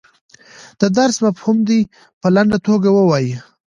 د درس مفهوم دې په لنډه توګه ووایي.